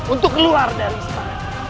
untuk keluar dari sana